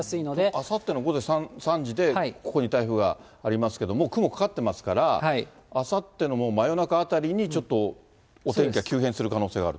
あさっての午前３時で、ここに台風がありますけども、もう雲かかってますから、あさってのもう真夜中あたりに、ちょっとお天気が急変する可能性がある？